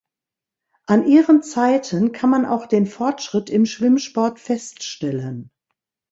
An ihren Zeiten kann man auch den Fortschritt im Schwimmsport feststellen.